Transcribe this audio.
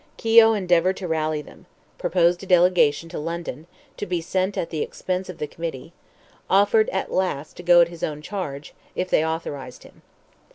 Keogh endeavoured to rally them; proposed a delegation to London, to be sent at the expense of the Committee; offered, at last, to go at his own charge, if they authorized him.